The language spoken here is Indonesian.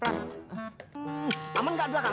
aman nggak belakang